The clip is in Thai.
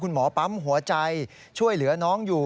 หมอปั๊มหัวใจช่วยเหลือน้องอยู่